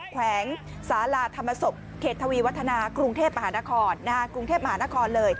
แขวงสาราธรรมศพเขตทวีวัฒนากรุงเทพฯมหานคร